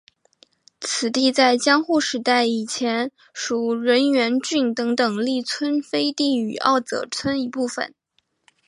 此地在江户时代以前属荏原郡等等力村飞地与奥泽村一部分。